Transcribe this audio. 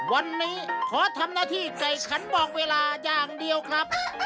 วันนี้ขอทำหน้าที่ไก่ขันบอกเวลาอย่างเดียวครับ